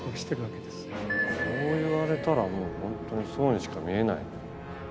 そういわれたらホントにそうにしか見えない。